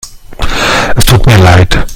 Es tut mir leid.